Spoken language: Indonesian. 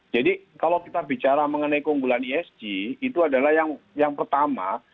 jadi kalau kita bicara mengenai keunggulan esg itu adalah yang pertama